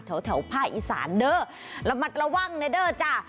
แถวภาคอีสานเด้อระมัดระวังนะเด้อจ้ะ